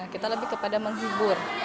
kita lebih kepada menghibur